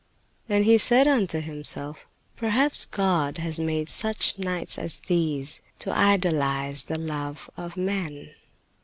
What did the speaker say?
And he said unto himself: "Perhaps God has made such nights as these to idealize the love of men."